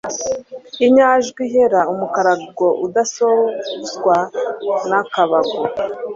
inyajwi ihera umukaragoudasozwa n'akabago